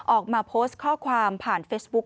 ออกมาโพสต์ข้อความผ่านเฟซบุ๊ค